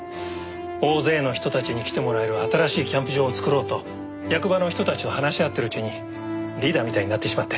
大勢の人たちに来てもらえる新しいキャンプ場を作ろうと役場の人たちと話し合ってるうちにリーダーみたいになってしまって。